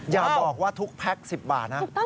อย่าบอกว่าทุกแพ็ค๑๐บาทนะ